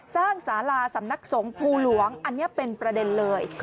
สาราสำนักสงภูหลวงอันนี้เป็นประเด็นเลย